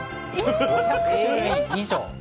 ５００種類以上。